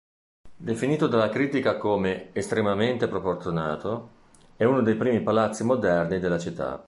Definito dalla critica come "estremamente proporzionato", è uno dei primi palazzi moderni della città.